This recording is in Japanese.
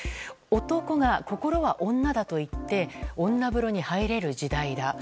男が、心は女だと言って女風呂に入れる時代だ。